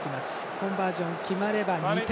コンバージョン決まれば２点。